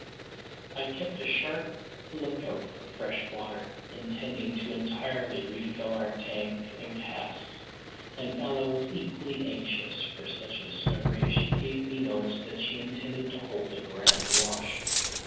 I kept a sharp look out for fresh water, intending to entirely refill our tank and casks; and Ella was equally anxious for such a discovery, as she gave me notice that she intended to hold a grand wash.